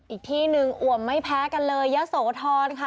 อีกที่หนึ่งอ่วมไม่แพ้กันเลยยะโสธรค่ะ